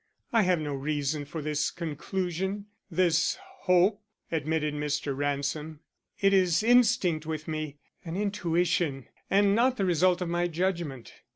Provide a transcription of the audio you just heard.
"I have no reason for this conclusion, this hope," admitted Mr. Ransom. "It is instinct with me, an intuition, and not the result of my judgment.